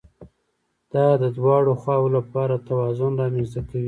دا د دواړو خواوو لپاره توازن رامنځته کوي